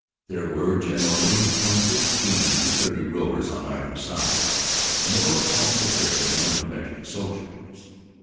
There were generally from fifteen to thirty rowers on either side, and the boats also carried a number of extra soldiers.